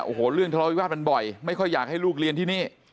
โอ้โหเรื่องทะเลาวิวาสมันบ่อยไม่ค่อยอยากให้ลูกเรียนที่นี่